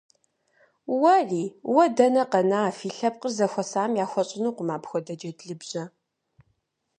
Уэри? Уэ дэнэ къэна, фи лъэпкъыр зэхуэсам яхуэщӀынукъым апхуэдэ джэдлыбжьэ.